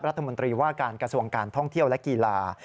รัฐมนตรีว่าการกระทรวงการท่องเที่ยวและกีฬา